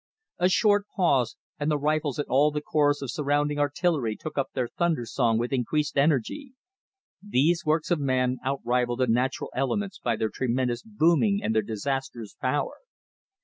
A short pause, and the rifles and all the chorus of surrounding artillery took up their thunder song with increased energy. These works of man outrivalled the natural elements by their tremendous booming and their disastrous power.